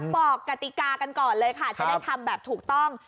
กติกากันก่อนเลยค่ะจะได้ทำแบบถูกต้อง